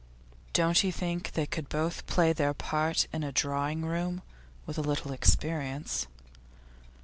Don't you think they could both play their part in a drawing room, with a little experience?